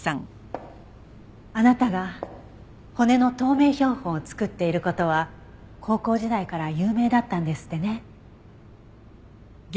あなたが骨の透明標本を作っている事は高校時代から有名だったんですってね。